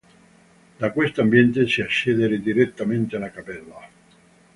Da questo ambiente si accedere direttamente alla cappella.